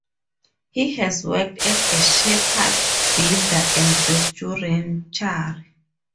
He has worked as a shepherd, builder and restaurateur.